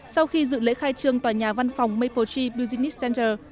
sau khi dự lễ khai trương tòa nhà văn phòng maple tree business center